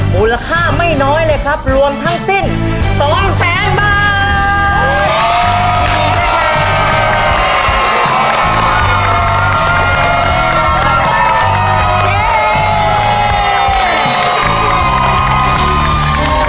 มูลค่าไม่น้อยเลยครับรวมทั้งสิ้น๒แสนบาท